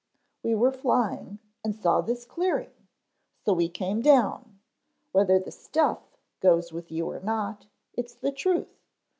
"We were flying and saw this clearing so we came down. Whether the 'stuff' goes with you or not, it's the truth.